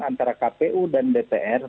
antara kpu dan dpr